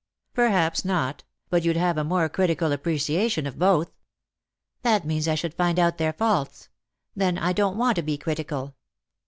" Perhaps not ; but you'd have a more critical appreciation of both." " That means that I should find out their faults. Then I don't want to be critical."